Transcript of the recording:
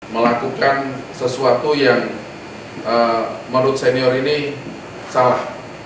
melakukan sesuatu yang menurut senior ini salah